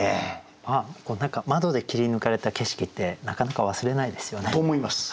何か窓で切り抜かれた景色ってなかなか忘れないですよね。と思います。